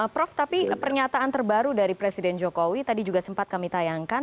prof tapi pernyataan terbaru dari presiden jokowi tadi juga sempat kami tayangkan